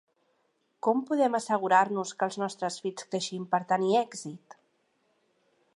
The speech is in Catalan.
Com podem assegurar-nos que els nostres fills creixin per tenir èxit?